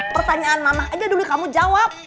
pertanyaan mama aja dulu kamu jawab